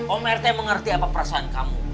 om rt mengerti apa perasaan kamu